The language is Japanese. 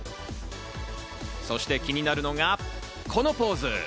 そして気になるのがこのポーズ。